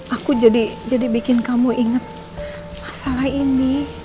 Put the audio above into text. aku jadi bikin kamu inget masalah ini